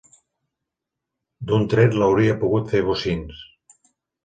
D'un tret l'hauria pogut fer bocins.